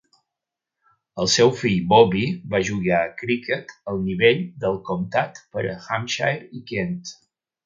El seu fill, Bobby, va jugar a criquet al nivell del comtat per a Hampshire i Kent.